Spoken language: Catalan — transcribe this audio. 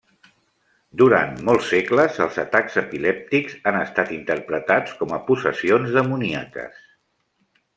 Durant molts segles els atacs epilèptics han estat interpretats com a possessions demoníaques.